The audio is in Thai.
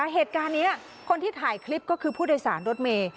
เหตุการณ์นี้คนที่ถ่ายคลิปก็คือผู้โดยสารรถเมย์